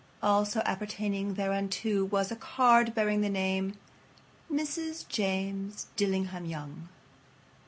Also appertaining thereunto was a card bearing the name "Mr. James Dillingham Young."